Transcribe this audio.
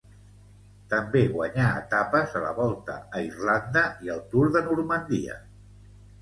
També guanyà etapes a la Volta a Irlanda i el Tour de Normandia.